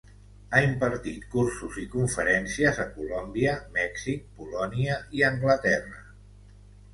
Ha impartit cursos i conferències a Colòmbia, Mèxic, Polònia i Anglaterra.